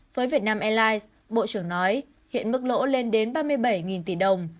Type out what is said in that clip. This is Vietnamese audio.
với việt nam airlines bộ trưởng nói hiện mức lỗ lên đến ba mươi bảy tỷ đồng